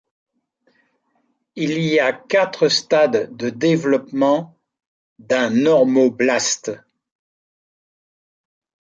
Il y a quatre stades de développement d'un normoblaste.